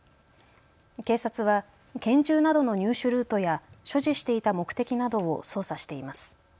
警察は拳銃などの入手ルートや所持していた目的などを捜査しています。